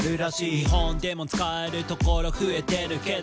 「日本でも使えるところ増えてるけど」